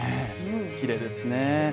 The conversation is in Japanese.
きれいですね。